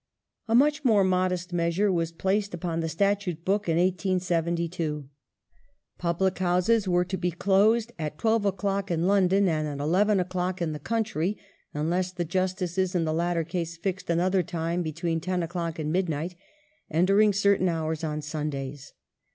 A much more modest measure was placed upon the Statute book in 1872. Public houses were to be closed at twelve o'clock in London, and at eleven o'clock in the country, unless the Justices in the latter case fixed another time between ten o'clock and midnight, and during certain hours on Sundays.